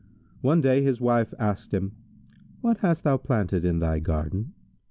One day his wife asked him, "What hast thou planted in thy garden?"